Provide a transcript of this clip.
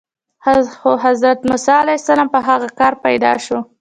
خو حضرت موسی علیه السلام په هغه کال پیدا شو.